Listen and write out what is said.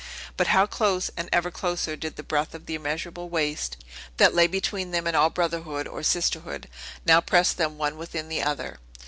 But how close, and ever closer, did the breath of the immeasurable waste, that lay between them and all brotherhood or sisterhood, now press them one within the other!